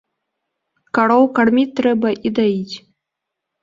Кароў карміць трэба і даіць.